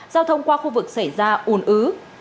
giao thông qua khu vực xảy ra ùn ứ